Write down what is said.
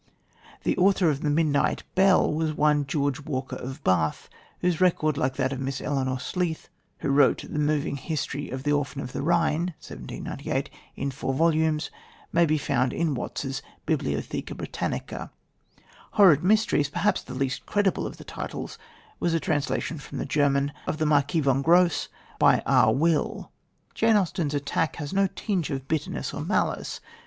The author of The Midnight Bell was one George Walker of Bath, whose record, like that of Miss Eleanor Sleath, who wrote the moving history of The Orphan of the Rhine (1798) in four volumes, may be found in Watts' Bibliotheca Britannica. Horrid Mysteries, perhaps the least credible of the titles, was a translation from the German of the Marquis von Grosse by R. Will. Jane Austen's attack has no tinge of bitterness or malice.